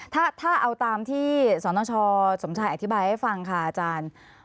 ถ้าเอาตามที่สนชสมชายอธิบายให้ฟังค่ะอาจารย์